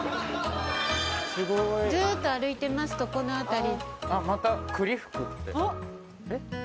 ずっと歩いてますとこの辺り。